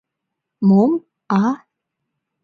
Мом, а?..